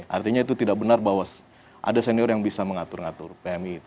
artinya itu tidak benar bahwa ada senior yang bisa mengatur ngatur pmi